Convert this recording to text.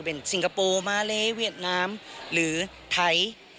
เป็นสิงคโปร์มาเลเวียดนามหรือไทย